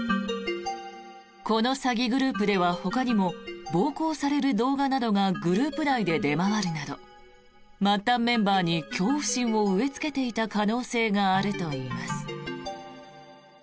この詐欺グループではほかにも暴行される動画などがグループ内で出回るなど末端メンバーに恐怖心を植えつけていた可能性があるといいます。